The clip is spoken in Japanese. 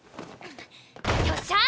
よっしゃ！